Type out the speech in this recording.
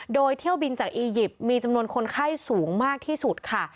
โดยเที่ยวบินจากอียิปต์มีจำนวนคนไข้สูงมากที่สุดค่ะ